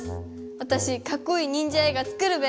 わたしかっこいい忍者映画作るべ！